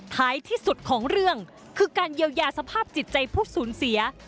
ท้ายที่สุดของเรื่องคือการเยียวยาสภาพจิตใจผู้สูญเสีย